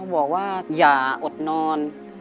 บอกว่าอย่าอดนอน